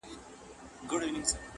شرنګ د زولنو به دي غوږو ته رسېدلی وي٫